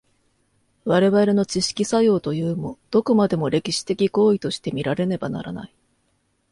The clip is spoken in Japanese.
我々の知識作用というも、どこまでも歴史的行為として見られねばならない。